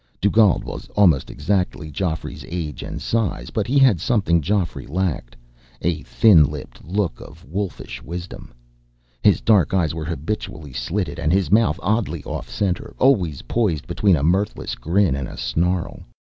Dugald was almost exactly Geoffrey's age and size, but he had something Geoffrey lacked a thin lipped look of wolfish wisdom. His dark eyes were habitually slitted, and his mouth oddly off center, always poised between a mirthless grin and a snarl.